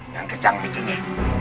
yang kejang micenya